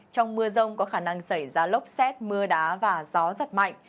trong mưa rông có khả năng xảy ra lốc xét mưa đá và gió giật mạnh